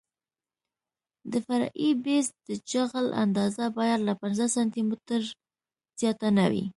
د فرعي بیس د جغل اندازه باید له پنځه سانتي مترو زیاته نه وي